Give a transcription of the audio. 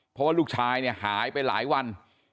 เพราะว่าลูกชายเนี่ยหายไปหลายวัน